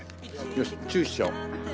よしチューしちゃおう。